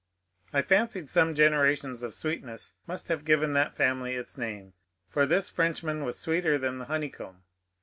I fancied some generations of sweetness must have given that family its name, for this Frenchman was sweeter than the honeycomb.